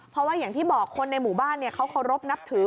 เพราะว่าอย่างที่บอกคนในหมู่บ้านเขาเคารพนับถือ